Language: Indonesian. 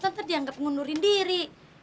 nanti dianggap ngundurin diri